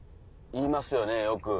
言いますよねよく。